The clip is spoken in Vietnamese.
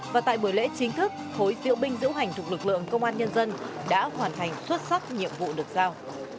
và tại buổi lễ chính thức khối diễu binh diễu hành thuộc lực lượng công an nhân dân đã hoàn thành xuất sắc nhiệm vụ được giao